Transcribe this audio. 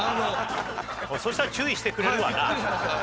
そしたら注意してくれるわな。